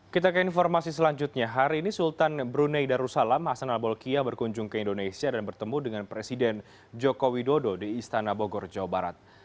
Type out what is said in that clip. kita ke informasi selanjutnya hari ini sultan brunei darussalam hasan al bolkiah berkunjung ke indonesia dan bertemu dengan presiden joko widodo di istana bogor jawa barat